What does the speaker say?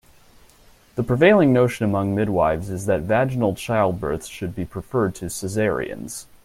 The prevailing notion among midwifes is that vaginal childbirths should be preferred to cesareans.